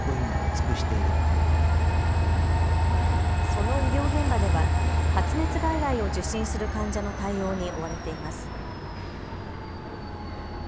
その医療現場では発熱外来を受診する患者の対応に追われています。